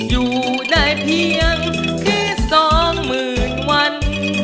อยู่ได้เพียงคือสองหมื่นวัน